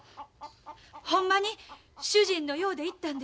ほんまに主人の用で行ったんですから。